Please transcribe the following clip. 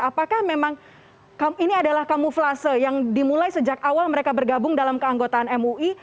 apakah memang ini adalah kamuflase yang dimulai sejak awal mereka bergabung dalam keanggotaan mui